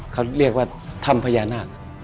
เขาเรียกว่าถ้ำพญานาค